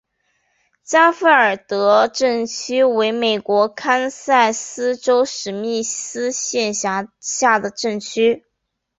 加菲尔德镇区为美国堪萨斯州史密斯县辖下的镇区。